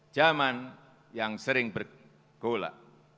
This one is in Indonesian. zaman yang sering bergolak